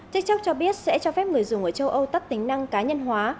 tiktok cho biết sẽ cho phép người dùng ở châu âu tắt tính năng cá nhân hóa